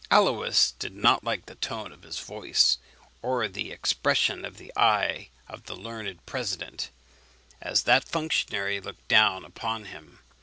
Aluys did not like the tone of the voice, or the expression of the eye of the learned president, as that functionary looked down upon him.